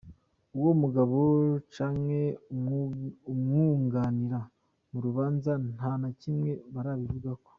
Uwo mugabo canke uwumwunganira mu rubanza nta na kimwe barabivugako.